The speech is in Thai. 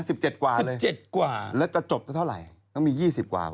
สิบเจ็ดกว่าแล้วจะจบไปเท่าไหร่มันมียี่สิบกว่าผมว่า